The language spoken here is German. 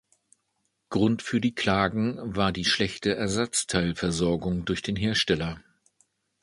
Grund für die Klagen war die schlechte Ersatzteilversorgung durch den Hersteller.